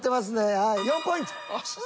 はい４ポイント。